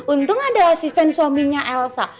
untung ada asisten suaminya elsa